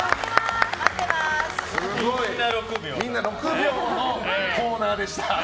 みんな６秒のコーナーでした。